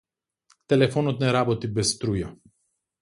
Телефонот не работи без струја.